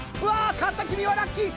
勝った君はラッキー！